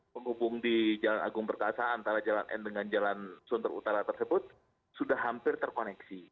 penghubung di jalan agung perkasa antara jalan n dengan jalan sunter utara tersebut sudah hampir terkoneksi